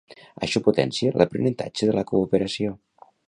Això potencia l'aprenentatge de la cooperació